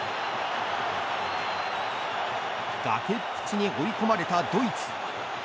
崖っぷちに追い込まれたドイツ。